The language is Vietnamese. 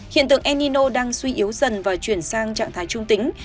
hiện tượng enino đang suy yếu dần và chuyển sang trạng thái trung tính